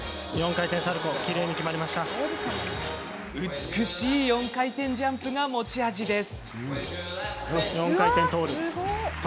美しい４回転ジャンプが持ち味です。